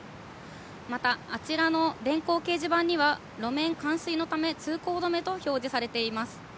また、あちらの電光掲示板には、路面冠水のため、通行止めと表示されています。